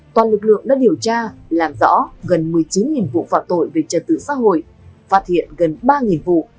toàn lực lượng đã điều tra làm rõ gần một mươi chín vụ phạm tội về trật tự xã hội phát hiện gần ba vụ